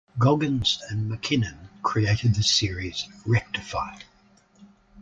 Goggins and McKinnon created the series "Rectify".